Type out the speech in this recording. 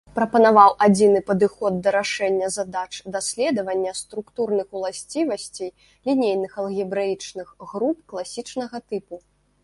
Прапанаваў адзіны падыход да рашэння задач даследавання структурных уласцівасцей лінейных алгебраічных груп класічнага тыпу.